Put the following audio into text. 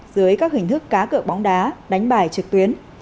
dưới các hình thức cá cực bóng đá đánh bạc trực tuyến